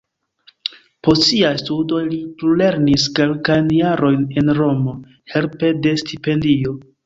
Post siaj studoj li plulernis kelkajn jarojn en Romo helpe de stipendio.